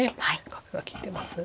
角が利いてます。